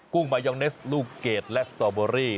ุ้งมายองเนสลูกเกดและสตอเบอรี่